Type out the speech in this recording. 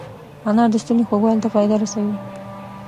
انار د ستوني خوږوالي ته فایده رسوي.